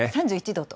３１度と。